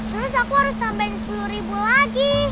terus aku harus sampai sepuluh ribu lagi